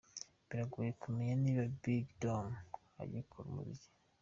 Biragoye kumenya niba Big Dom agikora umuziki.